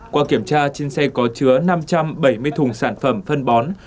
qua kiểm tra trên xe có chứa năm trăm bảy mươi thùng sản phẩm phân bón